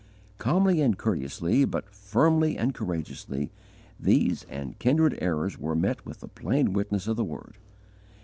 Calmly and courteously, but firmly and courageously, these and kindred errors were met with the plain witness of the Word.